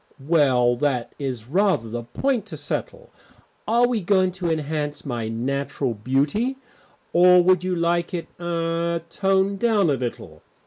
"Well, that is rather the point to settle. Are we going to enhance my natural beauty, or would you like it er toned down a little?